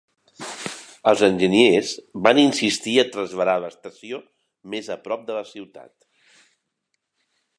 Els enginyers van insistir a traslladar l'estació més a prop de la ciutat.